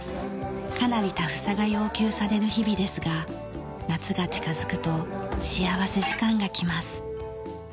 かなりタフさが要求される日々ですが夏が近づくと幸福時間が来ます。